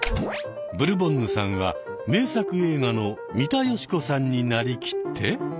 ブルボンヌさんは名作映画の三田佳子さんになりきって。